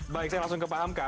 baik saya langsung ke paham kak